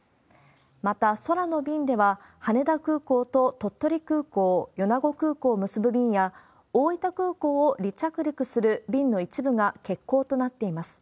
また、空の便では、羽田空港と鳥取空港、米子空港を結ぶ便や、大分空港を離着陸する便の一部が欠航となっています。